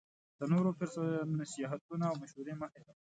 د نورو نصیحتونه او مشوری مه هیروه